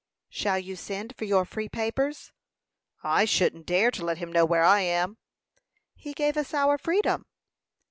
"Shall you send for your free papers?" "I shouldn't dare to let him know where I am." "He gave us our freedom."